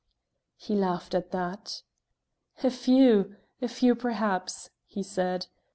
He laughed at that. "A few a few, perhaps," he said.